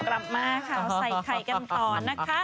พี่ชอบแซงไหลทางอะเนาะ